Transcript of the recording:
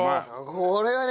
これはね